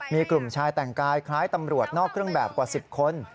มีกลุ่มชายแต่งกายคล้ายตำรวจนอกเครื่องแบบกว่า๑๐คน